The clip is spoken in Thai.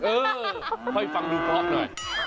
เออให้ฟังดูพอเครื่องออกหน่อย